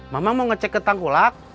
mama mau ngecek ke tengkulak